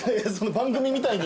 番組みたいに。